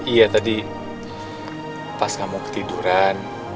iya tadi pas kamu ketiduran